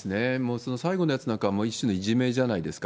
その最後のやつなんかは、一種のいじめじゃないですか。